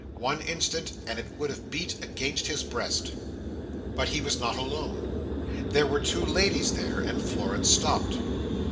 One instant, and it would have beat against his breast. But he was not alone. There were two ladies there; and Florence stopped.